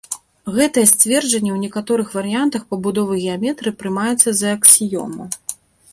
Гэтае сцверджанне ў некаторых варыянтах пабудовы геаметрыі прымаецца за аксіёму.